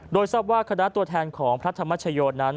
โดยทราบว่าคณะตัวแทนของพระธรรมชโยนั้น